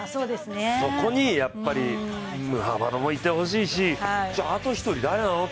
そこにムハマドもいてほしいし、じゃああと１人誰なの？